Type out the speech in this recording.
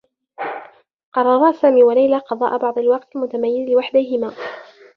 قرّرا سامي و ليلى قضاء بعض الوقت المتميّز لوحديهما.